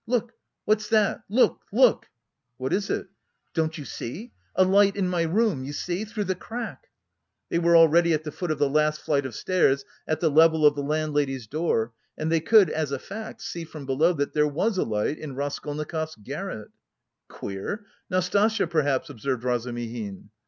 Look, what's that? Look, look!" "What is it?" "Don't you see? A light in my room, you see? Through the crack..." They were already at the foot of the last flight of stairs, at the level of the landlady's door, and they could, as a fact, see from below that there was a light in Raskolnikov's garret. "Queer! Nastasya, perhaps," observed Razumihin.